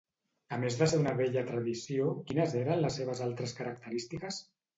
A més de ser una vella tradició, quines eren les seves altres característiques?